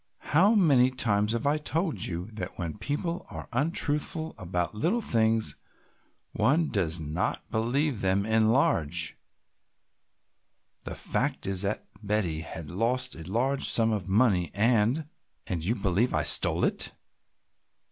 "How many times have I told you that when people are untruthful about little things one does not believe them in large. The fact is that Betty has lost a large sum of money and " "And you believe I stole it!"